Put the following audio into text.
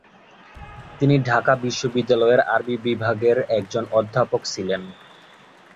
তিনি ঢাকা বিশ্ববিদ্যালয়ের আরবি বিভাগের একজন অধ্যাপক ছিলেন।